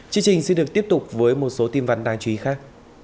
chương trình xin được tiếp tục với một số tin vắn đáng chú ý khác